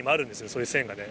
そういう線がね。